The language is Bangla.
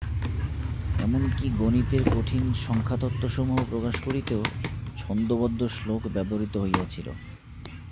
এমন কি গণিতের কঠিন সংখ্যাতত্ত্বসমূহ প্রকাশ করিতেও ছন্দোবদ্ধ শ্লোক ব্যবহৃত হইয়াছিল।